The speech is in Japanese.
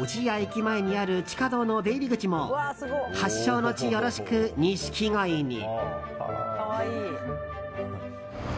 小千谷駅前にある地下道の出入り口も発祥の地よろしくニシキゴイに。